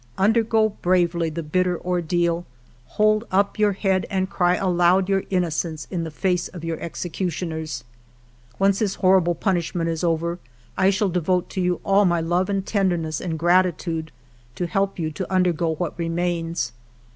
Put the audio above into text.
... Undergo bravely the bitter ordeal. Hold up your head and cry aloud your innocence in the face of your executioners. " Once this horrible punishment is over, I shall devote to you all my love and tenderness and gratitude, to help you to undergo what remains.